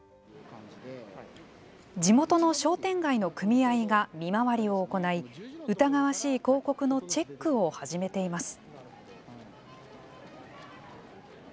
地元の商店街の組合が見回りを行い、疑わしい広告のチェックを始めています。